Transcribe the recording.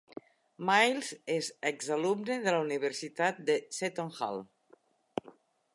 Miles és exalumne de la Universitat de Seton Hall.